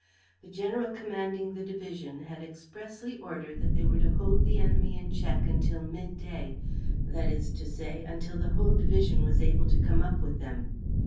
The general commanding the division had expressly ordered that they were to hold the enemy in check until mid day, that is to say, until the whole division was able to come up with them.